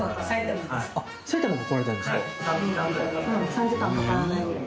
３時間かからないぐらい。